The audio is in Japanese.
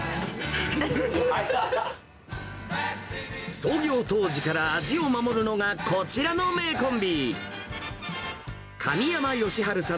創業当時から味を守るのが、こちらの名コンビ。